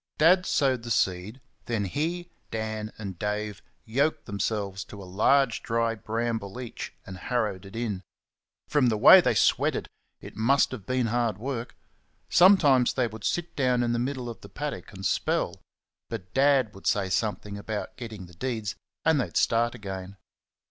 Dad sowed the seed; then he, Dan and Dave yoked themselves to a large dry bramble each and harrowed it in. From the way they sweated it must have been hard work. Sometimes they would sit down in the middle of the paddock and "spell" but Dad would say something about getting the deeds and they'd start again.